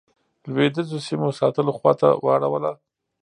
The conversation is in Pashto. لوېدیځو سیمو ساتلو خواته واړوله.